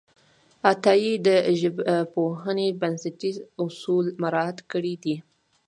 عطایي د ژبپوهنې بنسټیز اصول مراعت کړي دي.